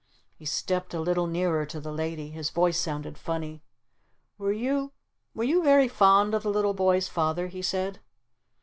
He stepped a little nearer to the Lady. His voice sounded funny. "Were you were you very fond of the little boy's Father?" he said.